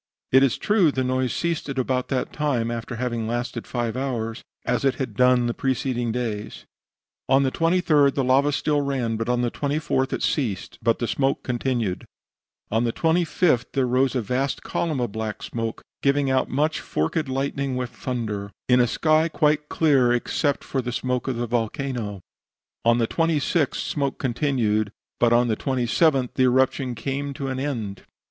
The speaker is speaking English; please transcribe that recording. It is true the noise ceased about that time after having lasted five hours, as it had done the preceding days. "On the 23d the lava still ran, but on the 24th it ceased; but smoke continued. On the 25th there rose a vast column of black smoke, giving out much forked lightning with thunder, in a sky quite clear except for the smoke of the volcano. On the 26th smoke continued, but on the 27th the eruption came to an end."